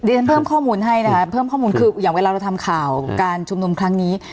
ฉันเพิ่มข้อมูลให้นะคะเพิ่มข้อมูลคืออย่างเวลาเราทำข่าวการชุมนุมครั้งนี้